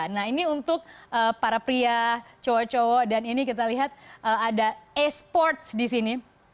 nah ini untuk para pria cowok cowok dan ini kita lihat ada e sports di sini